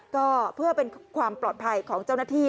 ก็เพื่อเป็นความปลอดภัยของเจ้าหน้าที่